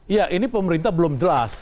ya ini pemerintah belum jelas